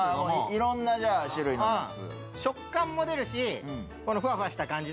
いろんな種類のやつ。